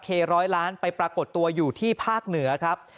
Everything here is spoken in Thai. ร้อยล้านไปปรากฏตัวอยู่ที่ภาคเหนือครับ